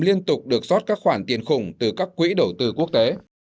liên tục được rót các khoản tiền khủng từ các quỹ đầu tư quốc tế